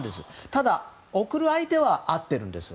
ただ送る相手は合っているんです。